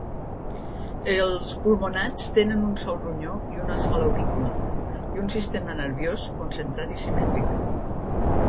Els pulmonats tenen un sol ronyó i una sola aurícula, i un sistema nerviós concentrat i simètric.